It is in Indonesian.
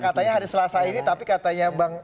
katanya hari selasa ini tapi katanya bang